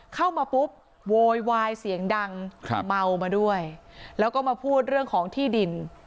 เข้ามาปุ๊บโวยวายเสียงดังครับเมามาด้วยแล้วก็มาพูดเรื่องของที่ดิน